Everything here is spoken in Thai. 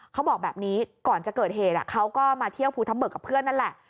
เขาบอกแบบนี้ก่อนจะเกิดเหตุเขาก็มาเที่ยวภูทับเบิกกับเพื่อนนั่นแหละ